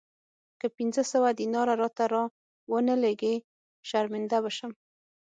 که پنځه سوه دیناره راته را ونه لېږې شرمنده به شم.